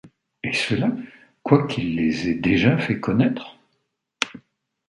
Et cela, quoiqu’il les ait déjà fait connaître ?